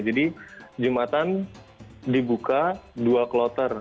jadi jumatan dibuka dua kloter